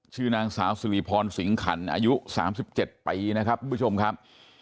ชื่อนางสาวสุริพรสิงขันอายุ๓๗ปีนะครับทุกผู้ชมครับ